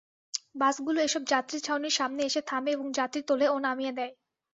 বাসগুলো এসব যাত্রীছাউনির সামনে এসে থামে এবং যাত্রী তোলে ও নামিয়ে দেয়।